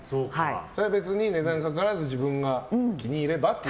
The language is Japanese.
それは別に値段にかかわらず自分が気に入ればと。